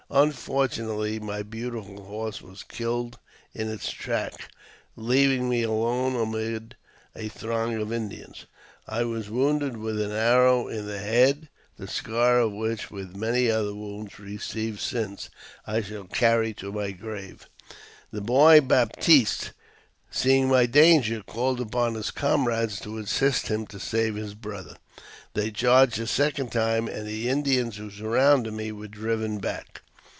Unfortunately, my beautiful horse was killed in its tracks, leaving me alone amid a throng of Indians. I was wounded with an arrow in the head, the scar of which, with many other wounds received since, I shall carry to my grave. My boy, Baptiste, seeing my danger, called upon his comrades to assist him to save his brother. They charged a second time, and the Indians who surrounded me were driven back.